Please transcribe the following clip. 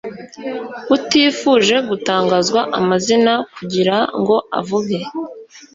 utifuje gutangazwa amazina kugira ngo avuge